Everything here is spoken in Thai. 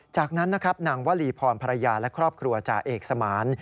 จากนั้นนะครับนางวลีพรภรรยาและครอบครัวจ่าเอกสมาน